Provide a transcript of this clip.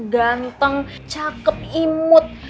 ganteng cakep imut